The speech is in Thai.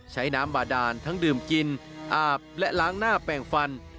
ใช้น้ำบาดานทั้งดื่มกินอาบและล้างหน้าแปลงฟัน